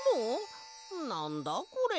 なんだこれ！？